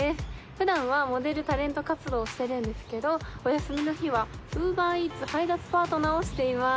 普段はモデルタレント活動をしてるんですけどお休みの日はＵｂｅｒＥａｔｓ配達パートナーをしています